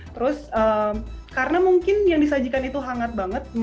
terus karena mungkin yang disajikan itu hangat banget